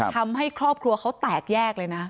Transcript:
ทำให้ครอบครัวเขาแตกแยกเลยนะ